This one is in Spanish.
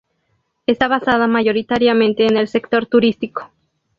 Está basada mayoritariamente en el sector turístico.